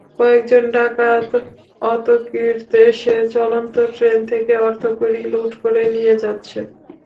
কয়েকজন ডাকাত অতর্কিত এসে চলন্ত ট্রেন থেকে অর্থ-কড়ি লুট করে নিয়ে যাচ্ছে।